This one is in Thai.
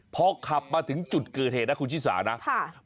พอขับมาถึงจุดเกิดเหตุนะคุณชิสานะ